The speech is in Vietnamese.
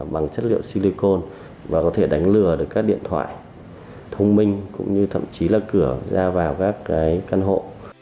bằng chất liệu silicon và có thể đánh lừa được các điện thoại thông minh cũng như thậm chí là cửa ra vào các căn hộ